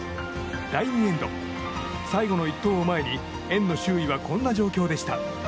第２エンド、最後の一投を前に円の周囲はこんな状況でした。